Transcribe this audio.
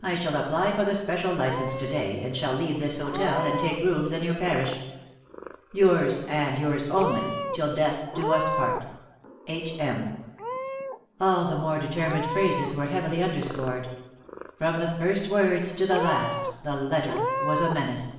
I shall apply for the special license to day, and shall leave this hotel and take rooms in your parish. "Yours and yours only till death us do part, ''..:| l:^ :'■'■■■. i ....■■■:■"'■.''■''''" H. M." All the more determined phrases were heavily underscored. From the first words to the last the letter was a menace.